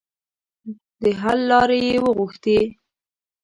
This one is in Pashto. د حل لارې یې وغوښتې.